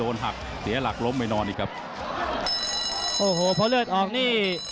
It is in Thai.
โอ้โหเพราะเลือดออกนี่